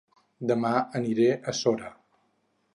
Dema aniré a Sora